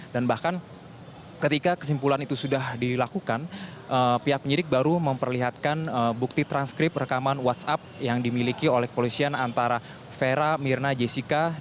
dan bahkan ketika kesimpulan itu sudah dilakukan pihak penyidik baru memperlihatkan bukti transkrip rekaman whatsapp yang dimiliki oleh kepolisian antara vera mirna jessica dan juga dengan honey boon